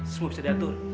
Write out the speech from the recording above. semua bisa diatur